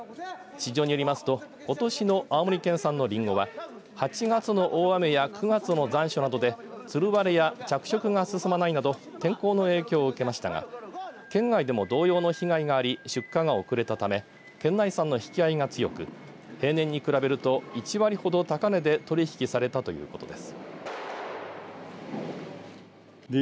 市場によりますとことしの青森県産のりんごは８月の大雨や９月の残暑などでツル割れや着色が進まないなど天候の影響を受けましたが県外でも同様の被害があり出荷が遅れたため県内産の引き合いが強く平年に比べると１割ほど高値で取り引きされたということです。